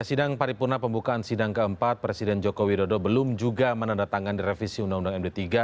sidang paripurna pembukaan sidang keempat presiden joko widodo belum juga menandatangani revisi undang undang md tiga